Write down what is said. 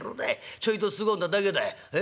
ちょいとすごんだだけだ。え？